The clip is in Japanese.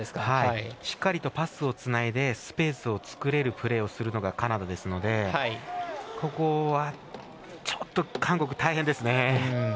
しっかりとパスをつないでスペースを作るプレーをするのがカナダですのでここはちょっと韓国韓国、大変ですね。